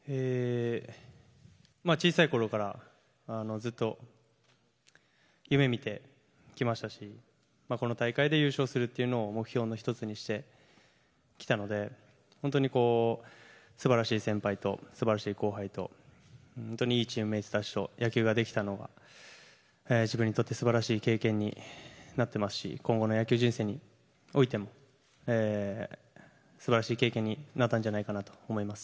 小さいころからずっと夢見てきましたしこの大会で優勝するというのを目標の１つにしてきたので本当に素晴らしい先輩と素晴らしい後輩と本当にいいチームメートたちと野球ができたのは自分にとって素晴らしい経験になっていますし今後の野球人生においても素晴らしい経験になったんじゃないかなと思います。